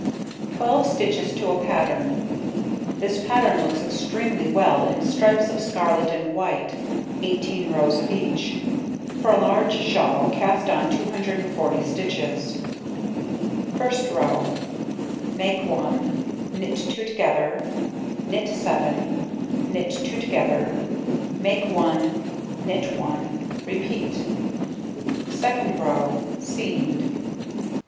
Twelve stitches to a pattern. This pattern looks extremely well in stripes of scarlet and white, 18 rows of each. For a large shawl, cast on 240 stitches. First row: Make 1, knit 2 together, knit 7, knit 2 together, make 1, knit 1, repeat. Second row: Seamed.